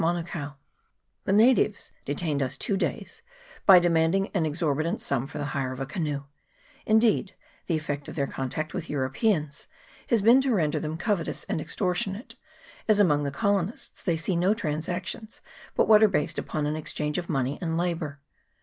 297 us two days by demanding an exorbitant sum for the hire of a canoe ; indeed the effect of their con tact with Europeans has been to render them covetous and extortionate, as among the colonists they see no transactions but what are based upon an exchange of money and labour.